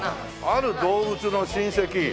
ある動物の親戚。